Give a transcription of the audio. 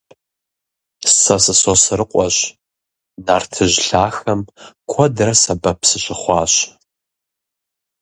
Сэ сы-Сосрыкъуэщ; нартыжь лъахэм куэдрэ сэбэп сыщыхъуащ.